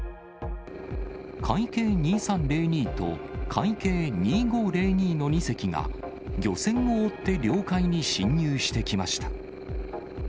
海警２３０２と、海警２５０２の２隻が、漁船を追って領海に侵入してきました。